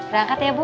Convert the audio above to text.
rangkat ya bu